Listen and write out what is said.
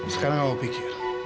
sekarang om pikir